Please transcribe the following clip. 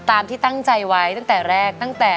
ตามที่ตั้งใจไว้ตั้งแต่แรก